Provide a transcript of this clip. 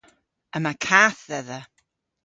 Yma kath dhedha.